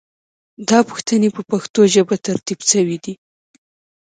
دا پوښتنې په پښتو ژبه ترتیب شوې دي.